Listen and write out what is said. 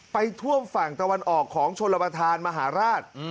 ไปท่วมฝั่งตะวันออกของชนประธานมหาราช